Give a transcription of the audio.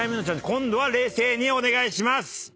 今度は冷静にお願いします。